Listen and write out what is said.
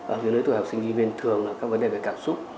ở những lưới tuổi học sinh sinh viên thường là các vấn đề về cảm xúc